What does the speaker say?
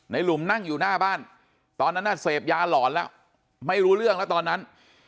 หลุมนั่งอยู่หน้าบ้านตอนนั้นน่ะเสพยาหลอนแล้วไม่รู้เรื่องแล้วตอนนั้น